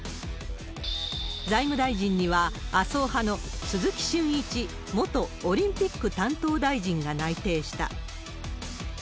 財務大臣には、麻生派の鈴木俊一元オリンピック担当大臣が内定した。